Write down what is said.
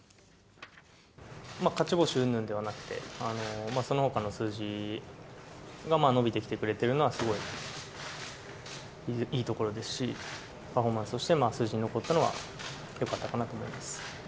勝ち星うんぬんではなくて、そのほかの数字が伸びてきてくれているのは、すごいいいところですし、パフォーマンスとして数字に残ったのはよかったかなと思います。